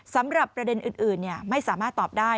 สำหรับประเด็นอื่นไม่สามารถตอบได้